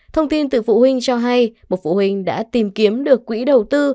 thông tin từ phụ huynh cho hay một phụ huynh đã tìm kiếm được quỹ đầu tư